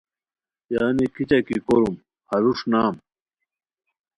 یعنی کیچہ کی کوروم ہروݰ نام